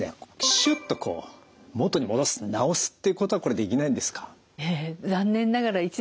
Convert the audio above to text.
シュッとこう元に戻す治すっていうことはこれできないんですか？